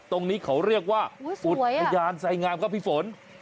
ตรงนี้เขาเรียกว่าอุทยานไสงามครับพี่ฝน